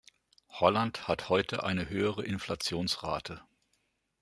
Holland hat heute eine höhere Inflationsrate.